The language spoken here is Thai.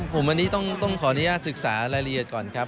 ผมอันนี้ต้องขออนุญาตศึกษารายละเอียดก่อนครับ